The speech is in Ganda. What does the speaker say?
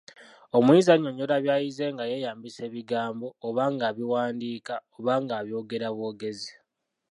Omuyizi annyonnyola by'ayize nga yeyambisa ebigambo oba ng'abiwandiika oba ng'abyogera bwogezi.